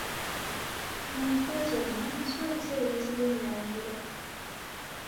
Mu nswa zonna, nswa ki eyitibwa ennangira?